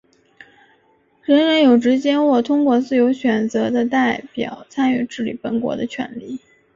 人人有直接或通过自由选择的代表参与治理本国的权利。